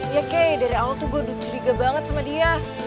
iya kay dari awal tuh gue udah curiga banget sama dia